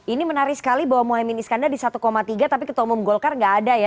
ini menarik sekali bahwa mohaimin iskandar di satu tiga tapi ketua umum golkar gak ada ya